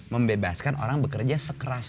membebaskan orang bekerja sekeras